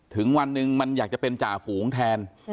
ถึงวันหนึ่งมันอยากจะเป็นจ่าฝูงแทน